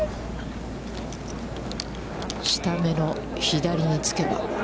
下めの左につけば。